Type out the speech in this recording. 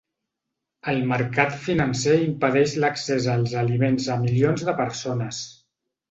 El mercat financer impedeix l’accés als aliments a milions de persones.